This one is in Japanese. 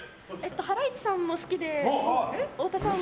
ハライチさんも好きで太田さんも。